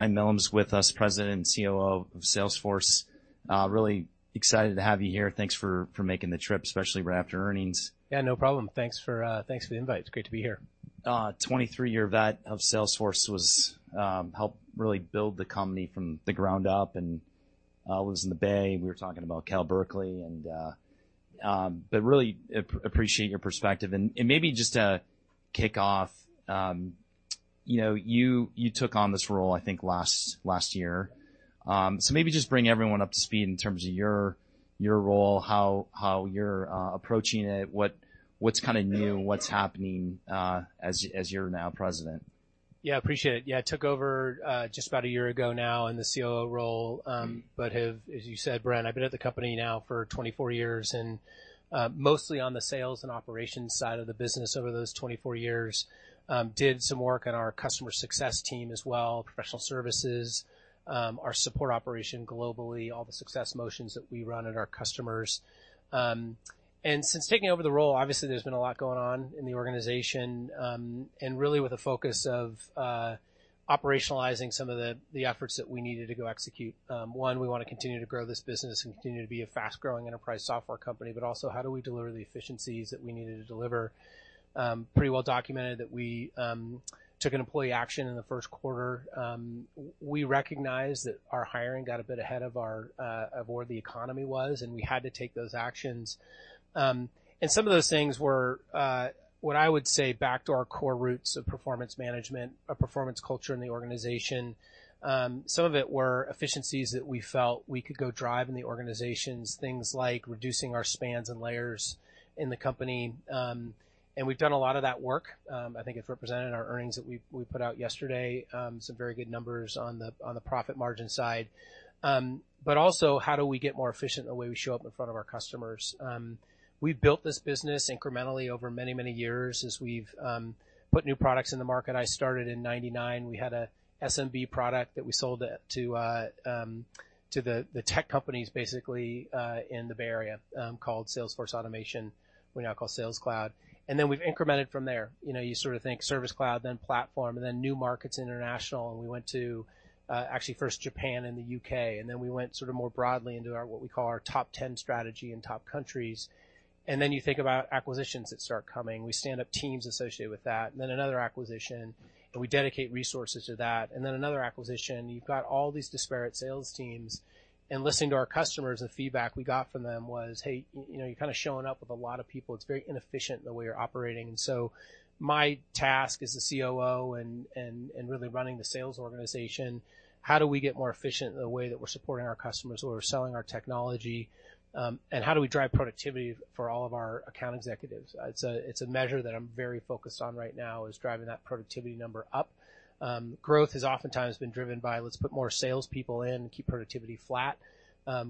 Brian Millham with us, President and COO of Salesforce. Really excited to have you here. Thanks for making the trip, especially right after earnings. Yeah, no problem. Thanks for, thanks for the invite. It's great to be here. 23-year vet of Salesforce, helped really build the company from the ground up and lives in the Bay. We were talking about Cal Berkeley. Really appreciate your perspective. Maybe just to kick off, you know, you took on this role, I think, last year. Maybe just bring everyone up to speed in terms of your role, how you're approaching it, what's kind of new, what's happening, as you're now President. Appreciate it. I took over just about a year ago now in the COO role, but have, as you said, Brent, I've been at the company now for 24 years, mostly on the sales and operations side of the business over those 24 years. Did some work on our customer success team as well, professional services, our support operation globally, all the success motions that we run at our customers. Since taking over the role, obviously, there's been a lot going on in the organization, really with a focus of operationalizing some of the efforts that we needed to go execute. One, we want to continue to grow this business and continue to be a fast-growing enterprise software company, but also, how do we deliver the efficiencies that we needed to deliver? Pretty well documented that we took an employee action in the first quarter. We recognized that our hiring got a bit ahead of our of where the economy was, and we had to take those actions. Some of those things were what I would say, back to our core roots of performance management, a performance culture in the organization. Some of it were efficiencies that we felt we could go drive in the organizations, things like reducing our spans and layers in the company. We've done a lot of that work. I think it's represented in our earnings that we put out yesterday, some very good numbers on the profit margin side. Also, how do we get more efficient in the way we show up in front of our customers? We've built this business incrementally over many, many years as we've put new products in the market. I started in 1999. We had a SMB product that we sold to the tech companies, basically, in the Bay Area, called Salesforce Automation, we now call Sales Cloud. We've incremented from there. You know, you sort of think Service Cloud, then Platform, and then new markets international, and we went to actually first Japan and the U.K., and then we went sort of more broadly into our, what we call our top 10 strategy in top countries. You think about acquisitions that start coming. We stand up teams associated with that, and then another acquisition, and we dedicate resources to that, and then another acquisition. You've got all these disparate sales teams, and listening to our customers, the feedback we got from them was, "Hey, you know, you're kind of showing up with a lot of people. It's very inefficient the way you're operating." My task as the COO and really running the sales organization, how do we get more efficient in the way that we're supporting our customers or selling our technology? How do we drive productivity for all of our account executives? It's a measure that I'm very focused on right now, is driving that productivity number up. Growth has oftentimes been driven by let's put more salespeople in, keep productivity flat.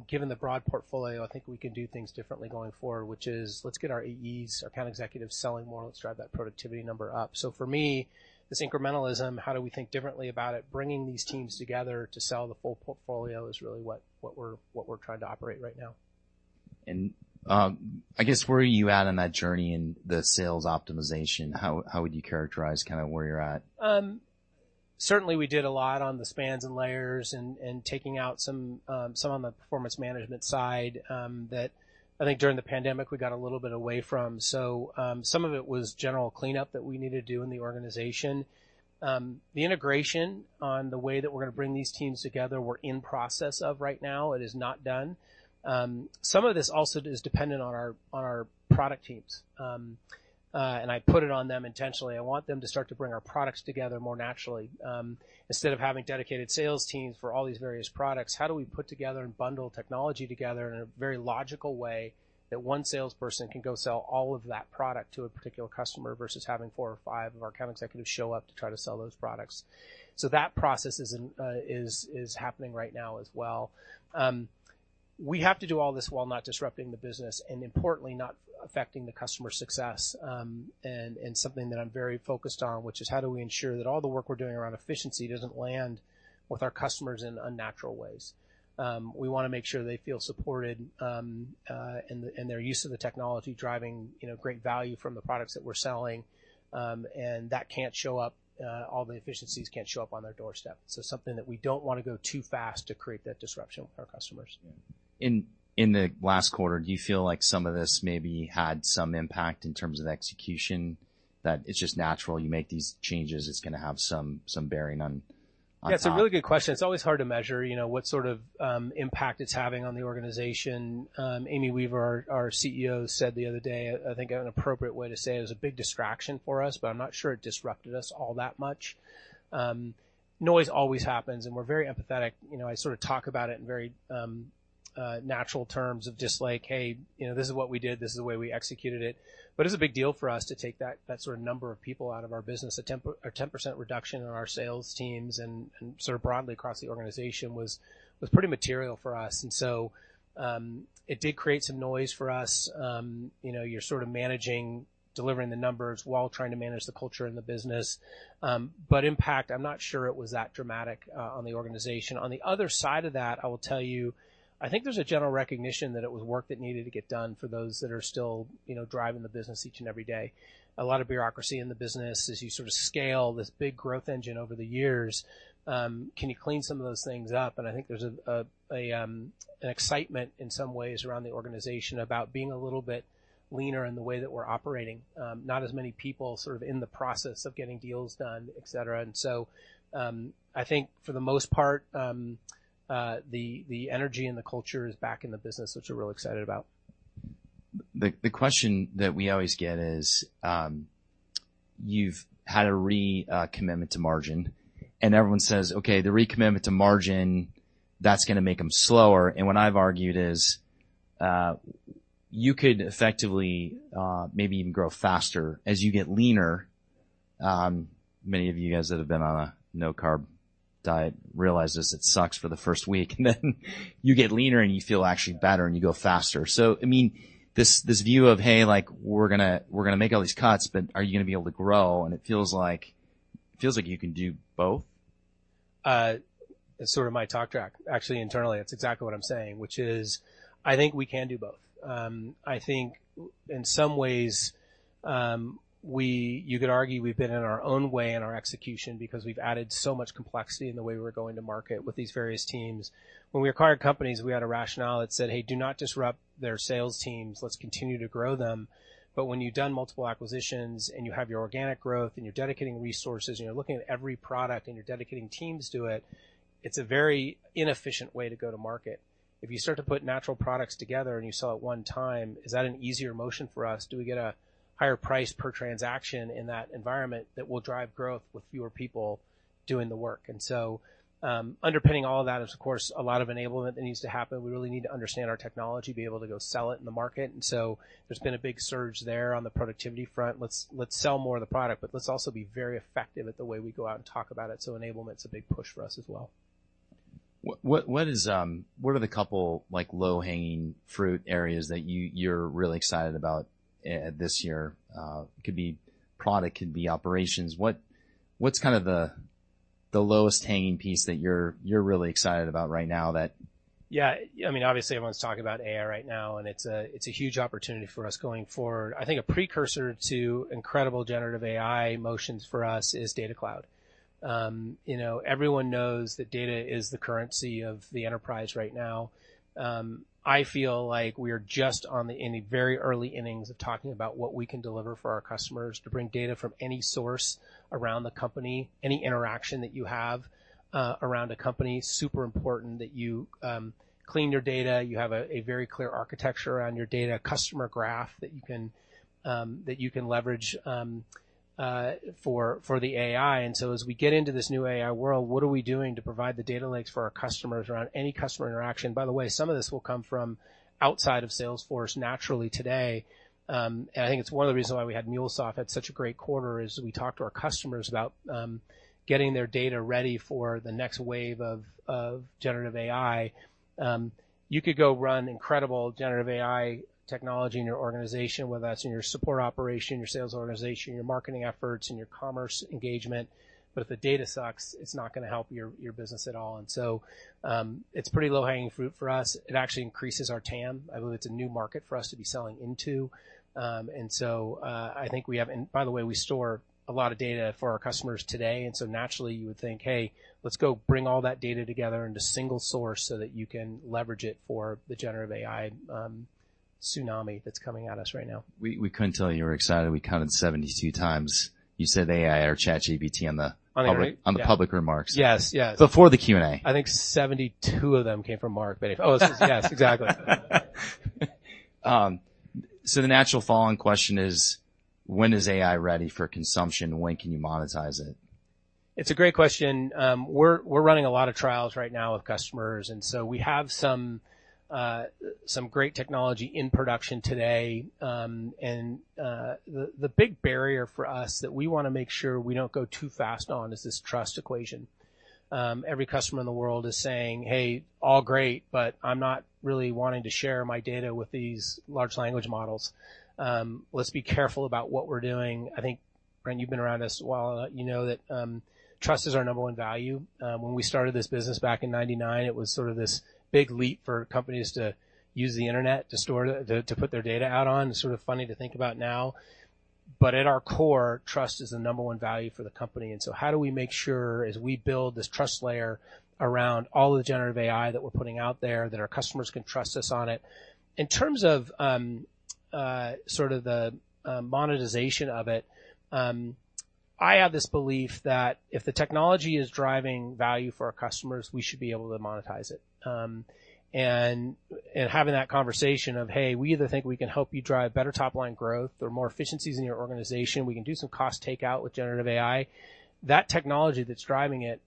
Given the broad portfolio, I think we can do things differently going forward, which is let's get our AEs, account executives, selling more. Let's drive that productivity number up. For me, this incrementalism, how do we think differently about it? Bringing these teams together to sell the full portfolio is really what we're trying to operate right now. I guess, where are you at on that journey in the sales optimization? How would you characterize kind of where you're at? Certainly, we did a lot on the spans and layers and taking out some on the performance management side, that I think during the pandemic we got a little bit away from. Some of it was general cleanup that we needed to do in the organization. The integration on the way that we're gonna bring these teams together, we're in process of right now. It is not done. Some of this also is dependent on our, on our product teams. I put it on them intentionally. I want them to start to bring our products together more naturally. Instead of having dedicated sales teams for all these various products, how do we put together and bundle technology together in a very logical way, that one salesperson can go sell all of that product to a particular customer, versus having four or five of our account executives show up to try to sell those products? That process is happening right now as well. We have to do all this while not disrupting the business and importantly, not affecting the customer's success. Something that I'm very focused on, which is how do we ensure that all the work we're doing around efficiency doesn't land with our customers in unnatural ways? We wanna make sure they feel supported, in their use of the technology, driving, you know, great value from the products that we're selling. That can't show up, all the efficiencies can't show up on their doorstep. Something that we don't want to go too fast to create that disruption with our customers. Yeah. In the last quarter, do you feel like some of this maybe had some impact in terms of execution? That it's just natural, you make these changes, it's gonna have some bearing on top? It's a really good question. It's always hard to measure, you know, what sort of impact it's having on the organization. Amy Weaver, our CEO, said the other day, I think, an appropriate way to say it, It was a big distraction for us, but I'm not sure it disrupted us all that much. Noise always happens, and we're very empathetic. You know, I sort of talk about it in very natural terms of just like, Hey, you know, this is what we did. This is the way we executed it. It's a big deal for us to take that sort of number of people out of our business. A 10% reduction in our sales teams and sort of broadly across the organization was pretty material for us. It did create some noise for us. You know, you're sort of managing delivering the numbers while trying to manage the culture in the business. But impact, I'm not sure it was that dramatic on the organization. On the other side of that, I will tell you, I think there's a general recognition that it was work that needed to get done for those that are still, you know, driving the business each and every day. A lot of bureaucracy in the business as you sort of scale this big growth engine over the years, can you clean some of those things up? I think there's an excitement in some ways around the organization about being a little bit leaner in the way that we're operating. Not as many people sort of in the process of getting deals done, et cetera. I think for the most part, the energy and the culture is back in the business, which we're really excited about. The question that we always get is, you've had a commitment to margin. Everyone says: Okay, the recommitment to margin, that's gonna make them slower. What I've argued is, you could effectively, maybe even grow faster as you get leaner. Many of you guys that have been on a no-carb diet realize this, it sucks for the first week, and then you get leaner, and you feel actually better, and you go faster. I mean, this view of, hey, like, we're gonna make all these cuts, but are you gonna be able to grow? It feels like, it feels like you can do both. That's sort of my talk track. Actually, internally, that's exactly what I'm saying, which is, I think we can do both. I think in some ways, you could argue we've been in our own way in our execution because we've added so much complexity in the way we're going to market with these various teams. When we acquired companies, we had a rationale that said: Hey, do not disrupt their sales teams. Let's continue to grow them. When you've done multiple acquisitions, and you have your organic growth, and you're dedicating resources, and you're looking at every product, and you're dedicating teams to it's a very inefficient way to go to market. If you start to put natural products together and you sell at one time, is that an easier motion for us? Do we get a higher price per transaction in that environment that will drive growth with fewer people doing the work? Underpinning all of that is, of course, a lot of enablement that needs to happen. We really need to understand our technology, be able to go sell it in the market, and so there's been a big surge there on the productivity front. Let's sell more of the product, but let's also be very effective at the way we go out and talk about it, so enablement's a big push for us as well. What is what are the couple, like, low-hanging fruit areas that you're really excited about this year? Could be product, could be operations. What's kind of the lowest-hanging piece that you're really excited about right now? Yeah, I mean, obviously, everyone's talking about AI right now, it's a huge opportunity for us going forward. I think a precursor to incredible generative AI motions for us is Data Cloud. You know, everyone knows that data is the currency of the enterprise right now. I feel like we are just in the very early innings of talking about what we can deliver for our customers to bring data from any source around the company. Any interaction that you have around a company, super important that you clean your data, you have a very clear architecture around your data, customer graph that you can that you can leverage for the AI. As we get into this new AI world, what are we doing to provide the data lakes for our customers around any customer interaction? By the way, some of this will come from outside of Salesforce naturally today. I think it's one of the reasons why we had MuleSoft had such a great quarter, is we talked to our customers about getting their data ready for the next wave of generative AI. You could go run incredible generative AI technology in your organization, whether that's in your support operation, your sales organization, your marketing efforts, in your commerce engagement, but if the data sucks, it's not gonna help your business at all. It's pretty low-hanging fruit for us. It actually increases our TAM. I believe it's a new market for us to be selling into. By the way, we store a lot of data for our customers today, and so naturally, you would think: Hey, let's go bring all that data together into single source so that you can leverage it for the generative AI tsunami that's coming at us right now. We couldn't tell you were excited. We counted 72 times you said AI or ChatGPT on the... On the right? Yeah. on the public remarks. Yes. Yes. Before the Q&A. I think 72 of them came from Mark, but... Oh, yes, exactly. The natural follow-on question is, when is AI ready for consumption? When can you monetize it? It's a great question. We're running a lot of trials right now with customers, and so we have some great technology in production today. The big barrier for us that we wanna make sure we don't go too fast on is this trust equation. Every customer in the world is saying: Hey, all great, but I'm not really wanting to share my data with these large language models. Let's be careful about what we're doing. I think, Brent, you've been around us a while, you know that, trust is our number one value. When we started this business back in 1999, it was sort of this big leap for companies to use the internet, to put their data out on. It's sort of funny to think about now, but at our core, trust is the number one value for the company. How do we make sure, as we build this trust layer around all the generative AI that we're putting out there, that our customers can trust us on it? In terms of sort of the monetization of it, I have this belief that if the technology is driving value for our customers, we should be able to monetize it. Having that conversation of, hey, we either think we can help you drive better top-line growth or more efficiencies in your organization, we can do some cost takeout with generative AI. That technology that's driving it,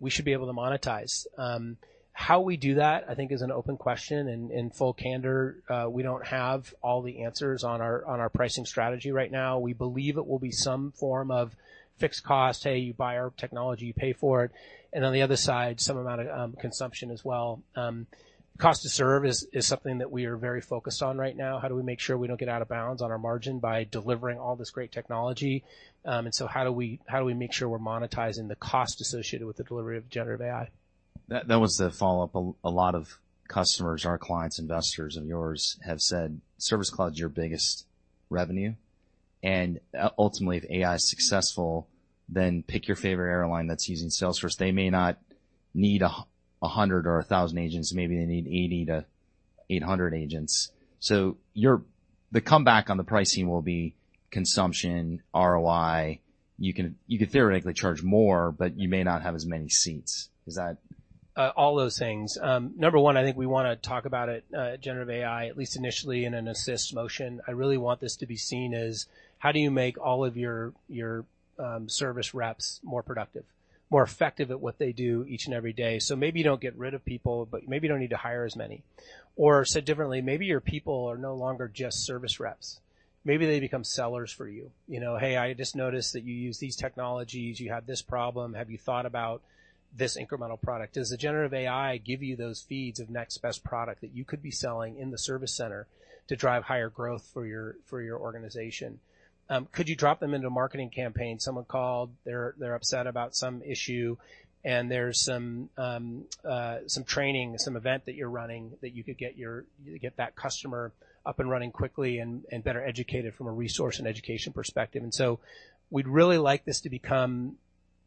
we should be able to monetize. How we do that, I think, is an open question, and in full candor, we don't have all the answers on our pricing strategy right now. We believe it will be some form of fixed cost. Hey, you buy our technology, you pay for it, and on the other side, some amount of consumption as well. Cost to serve is something that we are very focused on right now. How do we make sure we don't get out of bounds on our margin by delivering all this great technology? How do we make sure we're monetizing the cost associated with the delivery of generative AI? That was the follow-up. A lot of customers, our clients, investors of yours, have said Service Cloud is your biggest revenue, and ultimately, if AI is successful, then pick your favorite airline that's using Salesforce. They may not need 100 or 1,000 agents, maybe they need 80 to 800 agents. Your... The comeback on the pricing will be consumption, ROI. You can, you could theoretically charge more, but you may not have as many seats. Is that?... all those things. Number one, I think we want to talk about it, generative AI, at least initially, in an assist motion. I really want this to be seen as: How do you make all of your service reps more productive, more effective at what they do each and every day? Maybe you don't get rid of people, but maybe you don't need to hire as many. Said differently, maybe your people are no longer just service reps. Maybe they become sellers for you. You know, "Hey, I just noticed that you use these technologies. You have this problem. Have you thought about this incremental product?" Does the generative AI give you those feeds of next best product that you could be selling in the service center to drive higher growth for your organization? Could you drop them into a marketing campaign? Someone called, they're upset about some issue, and there's some training, some event that you're running that you could get that customer up and running quickly and better educated from a resource and education perspective. We'd really like this to become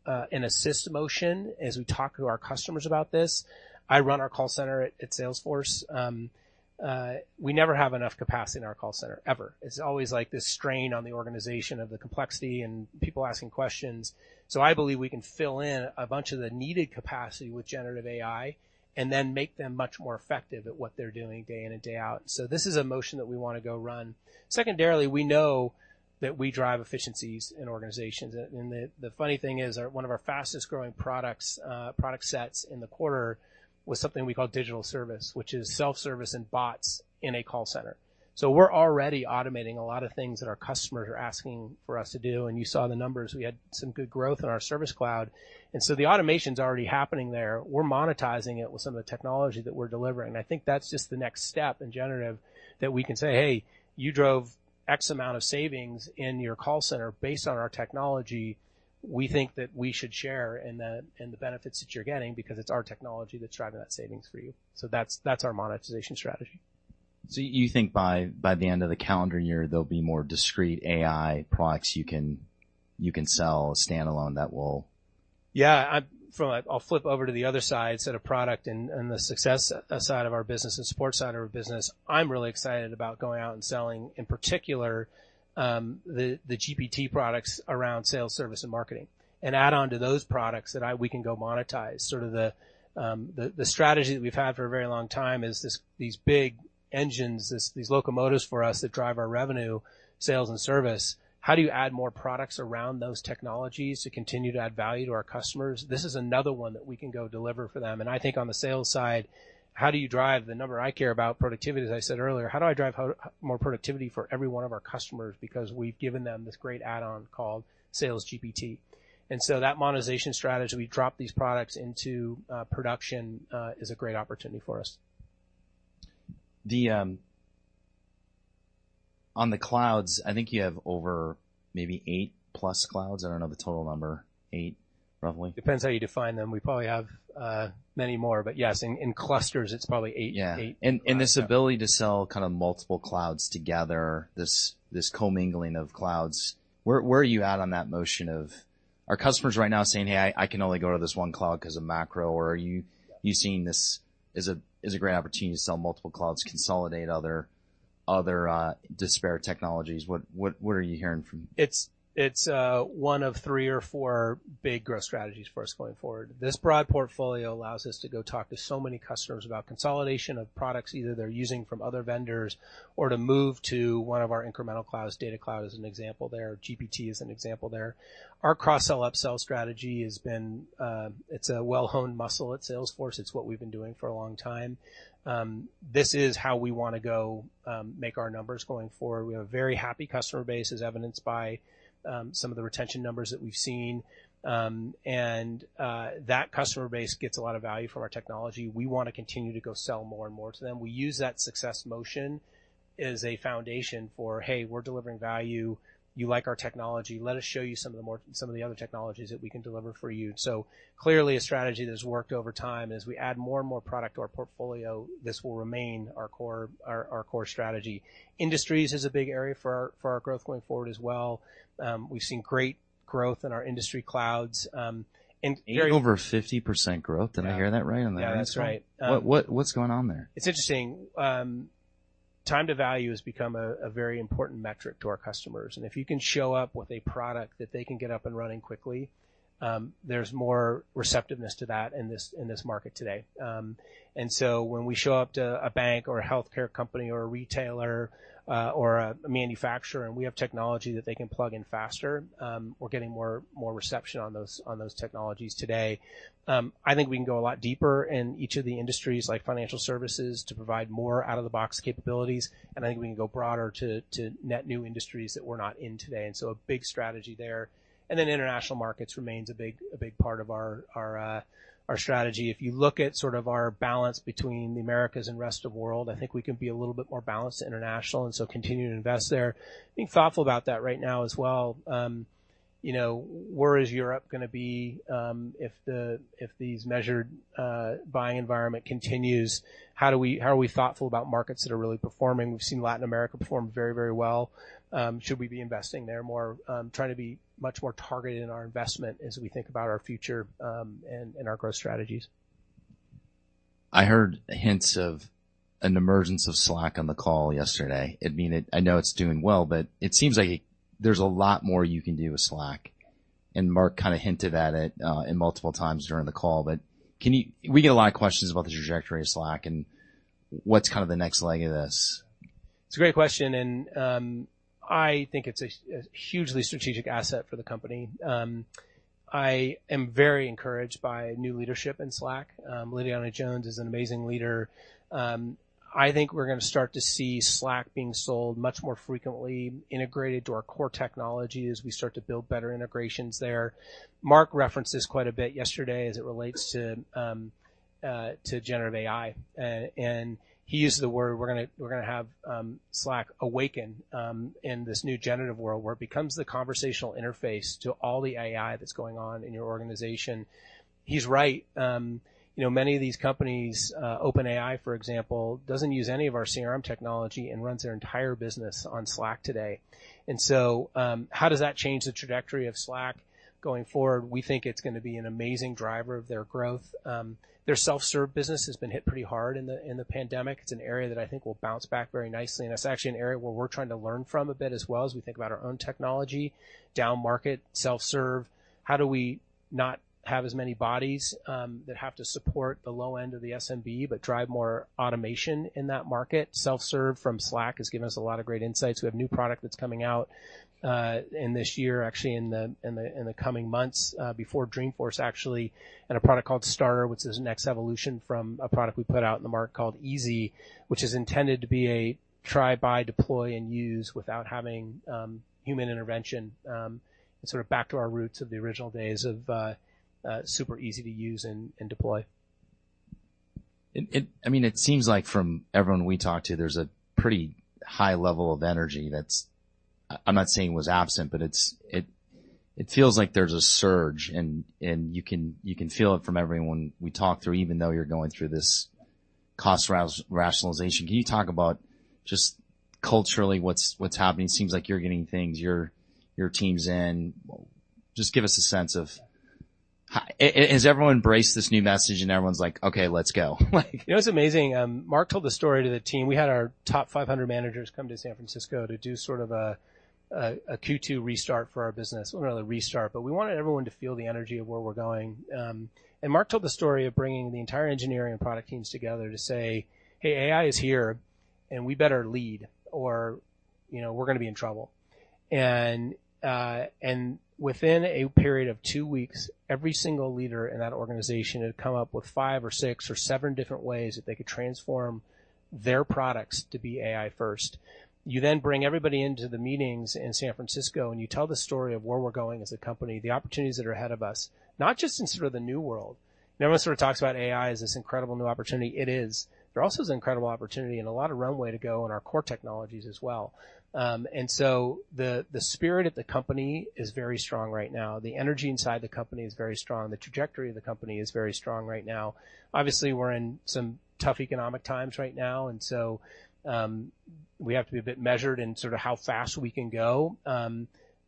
an assist motion as we talk to our customers about this. I run our call center at Salesforce. We never have enough capacity in our call center, ever. It's always, like, this strain on the organization of the complexity and people asking questions, so I believe we can fill in a bunch of the needed capacity with generative AI and then make them much more effective at what they're doing day in and day out. This is a motion that we want to go run. Secondarily, we know that we drive efficiencies in organizations. The, the funny thing is, our... One of our fastest-growing products, product sets in the quarter was something we call Digital Service, which is self-service and bots in a call center. We're already automating a lot of things that our customers are asking for us to do, and you saw the numbers. We had some good growth in our Service Cloud, and so the automation's already happening there. We're monetizing it with some of the technology that we're delivering. I think that's just the next step in generative, that we can say, "Hey, you drove X amount of savings in your call center based on our technology. We think that we should share in the, in the benefits that you're getting because it's our technology that's driving that savings for you." That's, that's our monetization strategy. You think by the end of the calendar year, there'll be more discrete AI products you can sell standalone. Yeah. I'll flip over to the other side, sort of product and the success side of our business and support side of our business. I'm really excited about going out and selling, in particular, the GPT products around Sales, Service, and marketing, and add on to those products that we can go monetize. Sort of the strategy that we've had for a very long time is these big engines, these locomotives for us that drive our revenue, Sales, and Service, how do you add more products around those technologies to continue to add value to our customers? This is another one that we can go deliver for them, and I think on the Sales side, how do you drive the number I care about, productivity, as I said earlier? How do I drive more productivity for every one of our customers because we've given them this great add-on called Sales GPT? That monetization strategy, we drop these products into production is a great opportunity for us. On the clouds, I think you have over maybe 8+ clouds. I don't know the total number. eighi, roughly? Depends how you define them. We probably have many more, but yes, in clusters, it's probably eight-. Yeah. Eight. This ability to sell kind of multiple clouds together, this commingling of clouds, where are you at on that motion of. Are customers right now saying, "Hey, I can only go to this one cloud because of macro?" Or are you seeing this as a, as a great opportunity to sell multiple clouds, consolidate other disparate technologies? What are you hearing from-? It's one of three or four big growth strategies for us going forward. This broad portfolio allows us to go talk to so many customers about consolidation of products either they're using from other vendors, or to move to one of our incremental clouds. Data Cloud is an example there. GPT is an example there. Our cross-sell, upsell strategy has been. It's a well-honed muscle at Salesforce. It's what we've been doing for a long time. This is how we want to go make our numbers going forward. We have a very happy customer base, as evidenced by some of the retention numbers that we've seen. That customer base gets a lot of value from our technology. We want to continue to go sell more and more to them. We use that success motion as a foundation for, "Hey, we're delivering value. You like our technology. Let us show you some of the other technologies that we can deliver for you." Clearly, a strategy that has worked over time. As we add more and more product to our portfolio, this will remain our core strategy. Industries is a big area for our growth going forward as well. We've seen great growth in our Industry Clouds. Over 50% growth. Yeah. Did I hear that right? Yeah, that's right. What's going on there? It's interesting. Time to value has become a very important metric to our customers, and if you can show up with a product that they can get up and running quickly, there's more receptiveness to that in this market today. When we show up to a bank or a healthcare company or a retailer, or a manufacturer, and we have technology that they can plug in faster, we're getting more reception on those technologies today. I think we can go a lot deeper in each of the industries, like financial services, to provide more out-of-the-box capabilities, and I think we can go broader to net new industries that we're not in today, and so a big strategy there. International markets remains a big part of our strategy. If you look at sort of our balance between the Americas and rest of world, I think we can be a little bit more balanced international. Continuing to invest there. Being thoughtful about that right now as well. You know, where is Europe going to be, if these measured buying environment continues? How are we thoughtful about markets that are really performing? We've seen Latin America perform very, very well. Should we be investing there more? Trying to be much more targeted in our investment as we think about our future, and our growth strategies.... I heard hints of an emergence of Slack on the call yesterday. I mean, I know it's doing well, but it seems like there's a lot more you can do with Slack, and Mark kind of hinted at it in multiple times during the call. We get a lot of questions about the trajectory of Slack, and what's kind of the next leg of this? It's a great question. I think it's a hugely strategic asset for the company. I am very encouraged by new leadership in Slack. Lidiane Jones is an amazing leader. I think we're going to start to see Slack being sold much more frequently, integrated to our core technology as we start to build better integrations there. Mark referenced this quite a bit yesterday as it relates to generative AI, and he used the word, we're gonna have Slack awaken in this new generative world, where it becomes the conversational interface to all the AI that's going on in your organization. He's right. You know, many of these companies, OpenAI, for example, doesn't use any of our CRM technology and runs their entire business on Slack today. How does that change the trajectory of Slack going forward? We think it's going to be an amazing driver of their growth. Their self-serve business has been hit pretty hard in the, in the pandemic. It's an area that I think will bounce back very nicely, and it's actually an area where we're trying to learn from a bit as well as we think about our own technology, down market, self-serve. How do we not have as many bodies, that have to support the low end of the SMB, but drive more automation in that market? Self-serve from Slack has given us a lot of great insights. We have new product that's coming out, in this year, actually, in the coming months, before Dreamforce, actually, and a product called Starter, which is the next evolution from a product we put out in the market called Easy, which is intended to be a try, buy, deploy, and use without having human intervention. Sort of back to our roots of the original days of super easy to use and deploy. It... I mean, it seems like from everyone we talk to, there's a pretty high level of energy that's... I'm not saying was absent, but it feels like there's a surge. You can feel it from everyone we talk through, even though you're going through this cost rationalization. Can you talk about just culturally, what's happening? It seems like you're getting things, your team's in. Just give us a sense of has everyone embraced this new message. Everyone's like: "Okay, let's go? You know, it's amazing. Mark told the story to the team. We had our top 500 managers come to San Francisco to do sort of a, a Q2 restart for our business. Well, not really a restart, but we wanted everyone to feel the energy of where we're going. Mark told the story of bringing the entire engineering and product teams together to say: "Hey, AI is here, and we better lead, or, you know, we're going to be in trouble." Within a period of two weeks, every single leader in that organization had come up with five or six or seven different ways that they could transform their products to be AI first. You bring everybody into the meetings in San Francisco, and you tell the story of where we're going as a company, the opportunities that are ahead of us, not just in sort of the new world. Everyone sort of talks about AI as this incredible new opportunity. It is. There also is incredible opportunity and a lot of runway to go in our core technologies as well. The spirit of the company is very strong right now. The energy inside the company is very strong. The trajectory of the company is very strong right now. Obviously, we're in some tough economic times right now, we have to be a bit measured in sort of how fast we can go.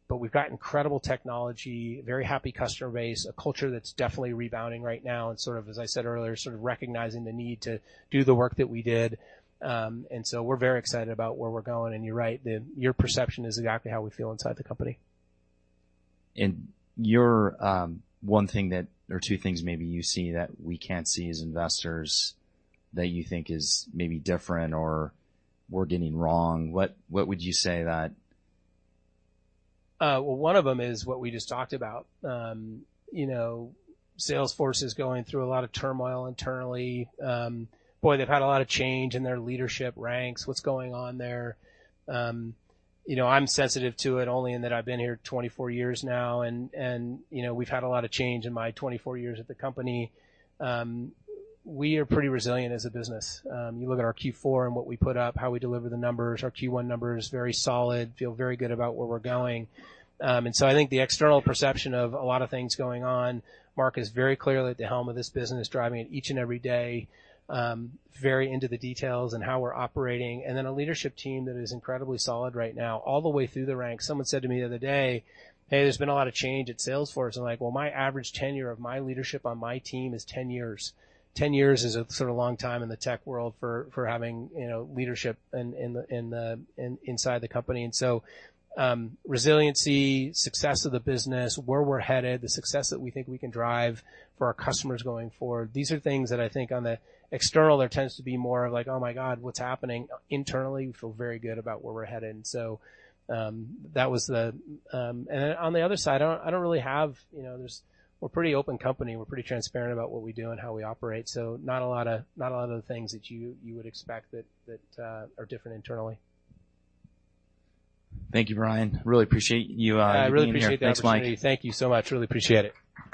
We've got incredible technology, very happy customer base, a culture that's definitely rebounding right now, and sort of, as I said earlier, sort of recognizing the need to do the work that we did. We're very excited about where we're going. You're right, your perception is exactly how we feel inside the company. Your one thing that, or two things maybe you see that we can't see as investors, that you think is maybe different or we're getting wrong, what would you say that? Well, one of them is what we just talked about. You know, Salesforce is going through a lot of turmoil internally. Boy, they've had a lot of change in their leadership ranks. What's going on there? You know, I'm sensitive to it only in that I've been here 24 years now, and, you know, we've had a lot of change in my 24 years at the company. We are pretty resilient as a business. You look at our Q4 and what we put up, how we deliver the numbers, our Q1 number is very solid, feel very good about where we're going. I think the external perception of a lot of things going on, Mark is very clearly at the helm of this business, driving it each and every day, very into the details and how we're operating, and then a leadership team that is incredibly solid right now, all the way through the ranks. Someone said to me the other day: "Hey, there's been a lot of change at Salesforce." I'm like, "Well, my average tenure of my leadership on my team is 10 years." 10 years is a sort of long time in the tech world for having, you know, leadership inside the company. Resiliency, success of the business, where we're headed, the success that we think we can drive for our customers going forward, these are things that I think on the external, there tends to be more of like, oh, my God, what's happening? Internally, we feel very good about where we're headed. On the other side, I don't really have, you know. We're a pretty open company. We're pretty transparent about what we do and how we operate, so not a lot of the things that you would expect that are different internally. Thank you, Brian. Really appreciate you being here. I really appreciate the opportunity. Thanks, Mike. Thank you so much. Really appreciate it.